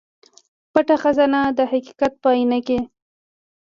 پټه خزانه د حقيقت په اينه کې